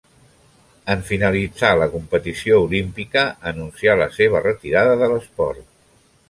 En finalitzar la competició olímpica anuncià la seva retirada de l'esport.